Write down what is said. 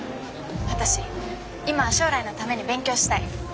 私今は将来のために勉強したい。